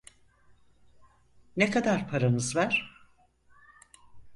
Ne kadar paranız var?